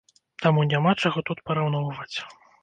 Таму няма чаго тут параўноўваць.